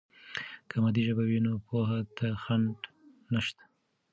که مادي ژبه وي، نو پوهې ته خنډ نشته.